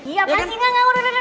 iya pasti enggak enggak enggak